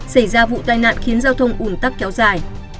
xảy ra vụ tai nạn khiến giao thông ủn tắc kéo dài